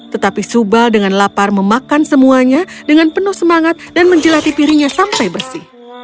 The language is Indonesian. tetapi subal dengan lapar memakan semuanya dengan penuh semangat dan menjelati pirinya sampai bersih